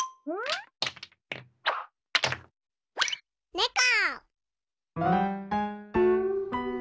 ねこ！